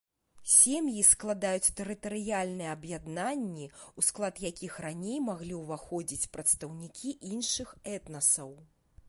Сем'і складаюць тэрытарыяльныя аб'яднанні, у склад якіх раней маглі ўваходзіць прадстаўнікі іншых этнасаў.